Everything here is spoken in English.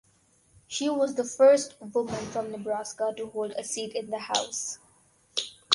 She was the first woman from Nebraska to hold a seat in the House.